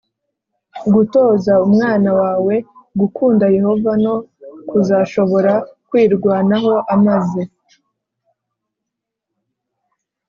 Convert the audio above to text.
gutoza umwana wawe gukunda Yehova no kuzashobora kwirwanaho amaze